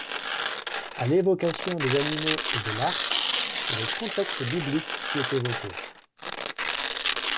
À l'évocation des animaux et de l'arche, c'est le contexte biblique qui est évoqué.